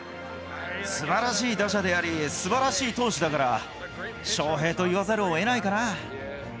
すばらしい打者であり、すばらしい投手だから、翔平と言わざるをえないかな。